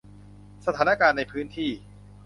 สถานการณ์ในพื้นที่